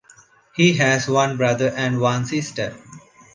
He has one brother and one sister.